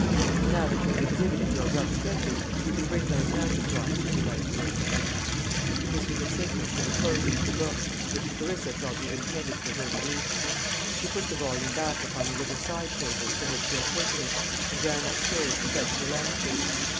"And now that you have exhibited your rough sketches, you can bring those mounted drawings, if you like, Clarissa." This was a signal for the closing of the book, which Clarissa felt was intended for her relief. She put the volume back upon the little side table from which she had taken it, and ran upstairs to fetch her landscapes.